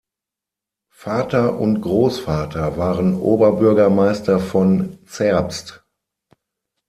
Vater und Großvater waren Oberbürgermeister von Zerbst.